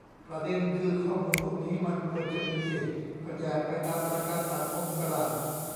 ประเด็นคือ ข้อมูลพวกนี้มันควรจะมีสิ ก็แจกไปตามประกันสังคมก็ได้